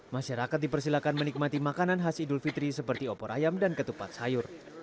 masyarakat dipersilakan menikmati makanan khas idul fitri seperti opor ayam dan ketupat sayur